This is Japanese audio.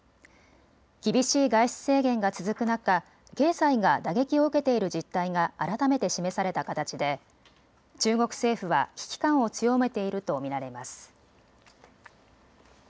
厳しい外出制限が続く中経済が打撃を受けている実態が改めて示された形で中国政府は危機感を強めていると見られます。